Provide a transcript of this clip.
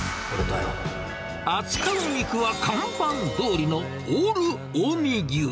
扱う肉は看板どおりのオール近江牛。